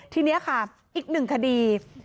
ทีนี้ค่ะอีกหนึ่งคดี